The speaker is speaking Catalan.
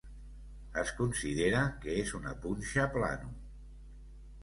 Es considera que és una punxa Plano.